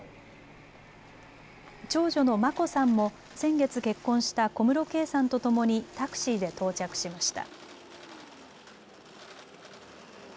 長女の眞子さんも先月結婚した小室圭さんとともにタクシーで到着しました。